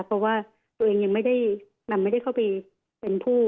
เพราะว่าตัวเองยังไม่ได้เข้าไปเป็นผู้